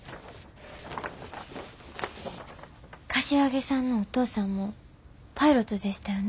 柏木さんのお父さんもパイロットでしたよね。